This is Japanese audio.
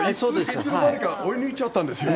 いつのまにか追い抜いちゃったんですよ。